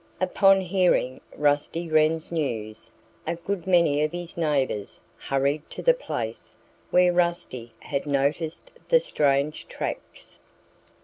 Upon hearing Rusty Wren's news a good many of his neighbors hurried to the place where Rusty had noticed the strange tracks.